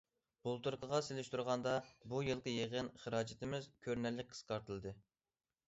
بۇلتۇرقىغا سېلىشتۇرغاندا بۇ يىلقى يىغىن خىراجىتىمىز كۆرۈنەرلىك قىسقارتىلدى.